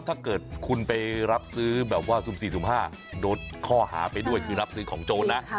ถ้าเกิดคุณไปรับซื้อแบบว่าสุ่ม๔สุ่ม๕โดนข้อหาไปด้วยคือรับซื้อของโจรนะ